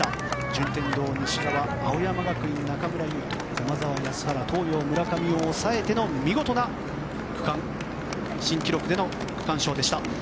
順天堂、西澤青山学院、中村唯翔駒澤、安原東洋、村上を抑えての見事な区間新記録での区間賞でした。